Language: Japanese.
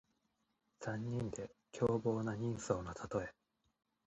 残忍で凶暴な人相のたとえ。